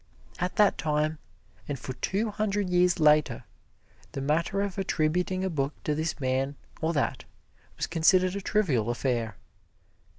At that time and for two hundred years later, the matter of attributing a book to this man or that was considered a trivial affair.